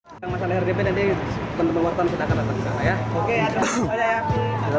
tentang masalah rdp nanti teman teman wartawan kita akan datang ke sana ya